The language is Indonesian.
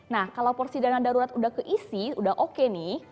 nah kalau porsi dana darurat udah keisi udah oke nih